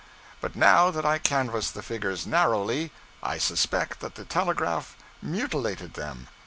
But now that I canvass the figures narrowly, I suspect that the telegraph mutilated them.